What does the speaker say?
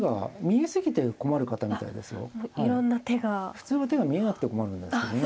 普通は手が見えなくて困るんですけどね。